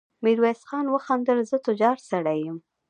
ميرويس خان وخندل: زه تجار سړی يم.